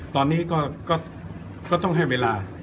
ตอนนี้ก็ต้องให้เวลา